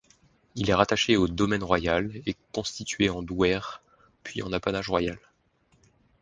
Il est rattaché au Domaine royal, et constitué en douaire puis en apanage royal.